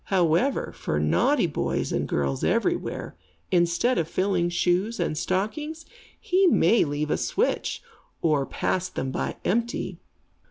However, for naughty boys and girls everywhere, instead of filling shoes and stockings, he may leave a switch, or pass them by empty.